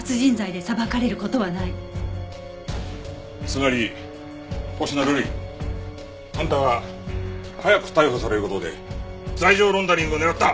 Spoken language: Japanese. つまり星名瑠璃あんたは早く逮捕される事で罪状ロンダリングを狙った。